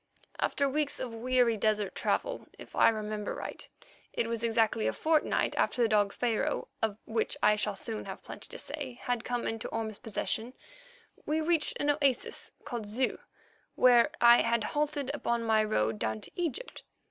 After weeks of weary desert travel—if I remember right, it was exactly a fortnight after the dog Pharaoh, of which I shall soon have plenty to say, had come into Orme's possession—we reached an oasis called Zeu, where I had halted upon my road down to Egypt.